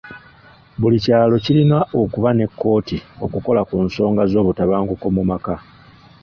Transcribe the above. Buli kyalo kirina okuba ne kkooti okukola ku nsonga z'obutabanguko mu maka.